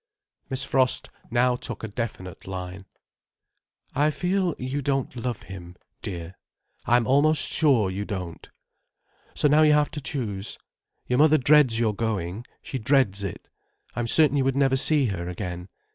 Miss Frost now took a definite line. "I feel you don't love him, dear. I'm almost sure you don't. So now you have to choose. Your mother dreads your going—she dreads it. I am certain you would never see her again.